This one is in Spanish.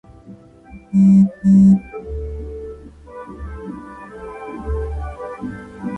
Fue colaboradora del Instituto Nacional de Investigaciones y Archivos Literarios.